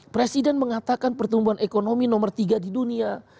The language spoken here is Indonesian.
presiden mengatakan pertumbuhan ekonomi nomor tiga di dunia